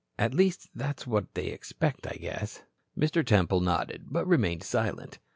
At least, that's what they expect, I guess." Mr. Temple nodded, but remained silent.